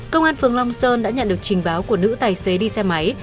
công an phường long sơn đã nhận được trình báo của nữ tài xế đi xe máy